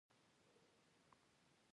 ساقي وویل په کښتۍ کې یو دبلۍ هم شته.